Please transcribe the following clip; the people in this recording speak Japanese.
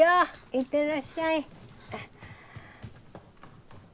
いってらっしゃい。